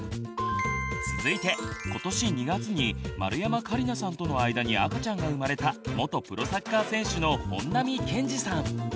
続いて今年２月に丸山桂里奈さんとの間に赤ちゃんが生まれた元プロサッカー選手の本並健治さん。